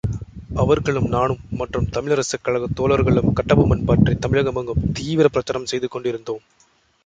அவர்களும் நானும் மற்றும் தமிழரசுக் கழகத் தோழர்களும் கட்டபொம்மன் பற்றித் தமிழகமெங்கும் தீவிரப் பிரசாரம் செய்து கொண்டிருந்தோம்.